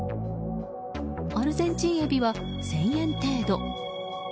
アルゼンチンエビは１０００円程度。